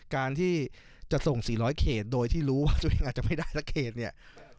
การที่จะส่ง๔๐๐เขตโดยที่รู้ว่าตัวเองอาจจะไม่ได้สักเขตเนี่ย